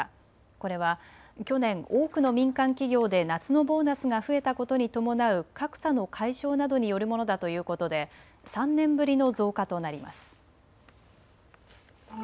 これは去年、多くの民間企業で夏のボーナスが増えたことに伴う格差の解消などによるものだということで３年ぶりの増加となります。